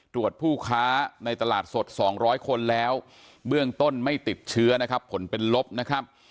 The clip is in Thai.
ผู้ค้าในตลาดสด๒๐๐คนแล้วเบื้องต้นไม่ติดเชื้อนะครับผลเป็นลบนะครับ